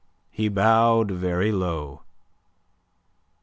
He bowed very low.